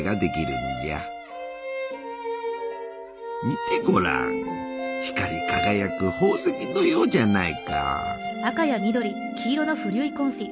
見てごらん光り輝く宝石のようじゃないか！